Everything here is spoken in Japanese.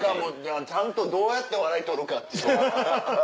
ちゃんとどうやって笑い取るか。